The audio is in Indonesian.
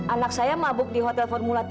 anak saya mabuk di hotel formula tiga